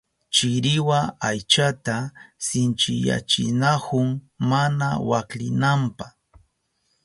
Chiriwa aychata sinchiyachinahun mana waklinanpa.